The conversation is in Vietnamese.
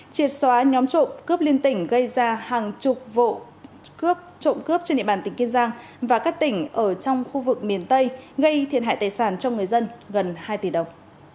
triệt xóa nhóm trộm cướp liên tỉnh gây ra hàng chục vụ cướp trộm cướp trên địa bàn tỉnh kiên giang và các tỉnh ở trong khu vực miền tây gây thiệt hại tài sản cho người dân gần hai tỷ đồng